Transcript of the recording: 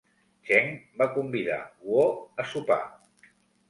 Cheng va convidar Guo a sopar.